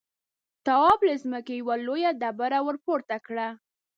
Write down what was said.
تواب له ځمکې يوه لويه ډبره ورپورته کړه.